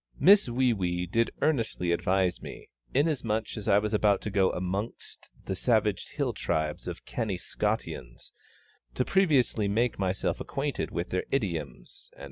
Miss WEE WEE did earnestly advise me, inasmuch as I was about to go amongst the savage hill tribes of canny Scotians, to previously make myself acquainted with their idioms, &c.